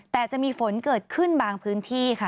แต่จะมีฝนเกิดขึ้นบางพื้นที่ค่ะ